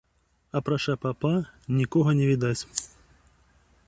Апрача папа, нікога не відаць.